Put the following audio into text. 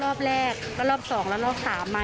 รอบแรกรอบสองรอบสามมา